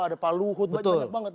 ada pak luhut banyak banget